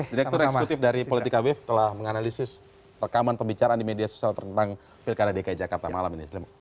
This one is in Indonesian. direktur eksekutif dari politika wave telah menganalisis rekaman pembicaraan di media sosial tentang pilkada dki jakarta malam ini